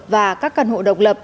và các căn hộ độc lập